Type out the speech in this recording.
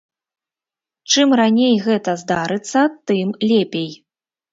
Чым раней гэта здарыцца, тым лепей.